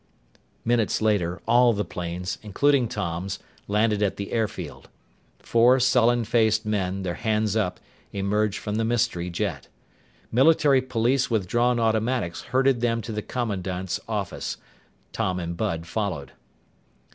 Minutes later, all the planes, including Tom's, landed at the airfield. Four sullen faced men, their hands up, emerged from the mystery jet. Military police with drawn automatics herded them to the commandant's office. Tom and Bud followed.